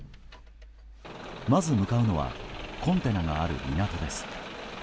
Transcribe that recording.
まず向かうのはコンテナがある港です。